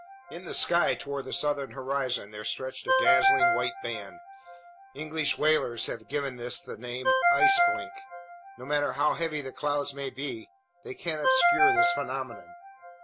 In the sky toward the southern horizon, there stretched a dazzling white band. English whalers have given this the name "ice blink." No matter how heavy the clouds may be, they can't obscure this phenomenon.